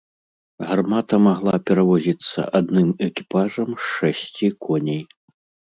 Гармата магла перавозіцца адным экіпажам з шасці коней.